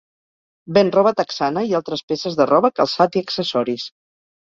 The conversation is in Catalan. Ven roba texana i altres peces de roba, calçat i accessoris.